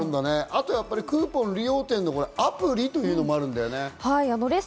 あとクーポン利用店とか、アプリっていうのもあるんだよね。